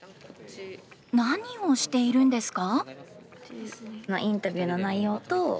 何をしているんですか？